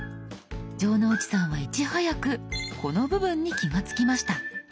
城之内さんはいち早くこの部分に気が付きました。